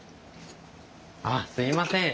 ああすいません。